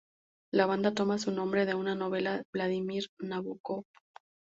La banda toma su nombre de una novela de Vladimir Nabokov.